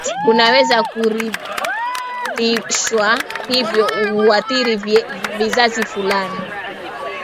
Unaweza kurithishwa hivyo huathiri vizazi fulani